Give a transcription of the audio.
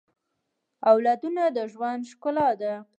اولادونه د ژوند ښکلا ده